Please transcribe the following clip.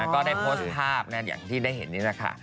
ก็ได้โพสต์ภาพอย่างที่ได้เห็นนี่แหละค่ะ